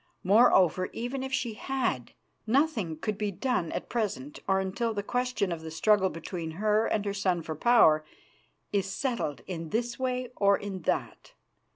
Moreover, even if she had, nothing could be done at present or until the question of the struggle between her and her son for power is settled in this way or in that.